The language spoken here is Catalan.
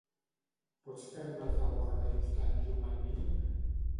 Pots fer-me el favor d'ajustar el llum al mínim?